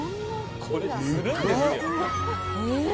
これ、釣るんですよ？